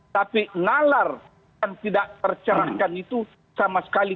tapi nalar yang tidak tercerahkan itu sama sekali